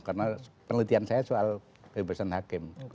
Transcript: karena penelitian saya soal kebebasan hakim